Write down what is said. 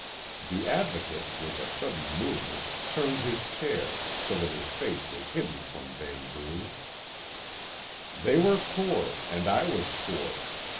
The Advocate, with a sudden movement, turned his chair, so that his face was hidden from Vanbrugh. "They were poor and I was poor.